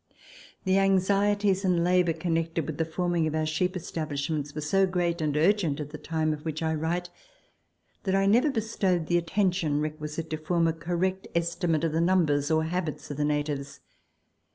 The anxieties and labour connected with the forming of our sheep establishments were so great and urgent at the time of which I write that I never bestowed the attention requisite to form a correct estimate of the numbers or habits of the natives.